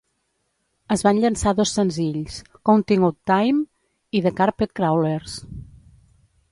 Es van llançar dos senzills, "Counting Out Time" i "The Carpet Crawlers".